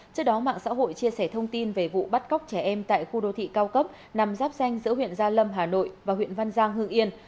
trước đó mạng xã hội chia sẻ thông tin về vụ bắt cóc trẻ em tại khu đô thị cao cấp nằm giáp danh giữa huyện gia lâm hà nội và huyện văn giang hưng yên